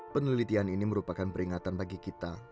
penelitian ini merupakan peringatan bagi kita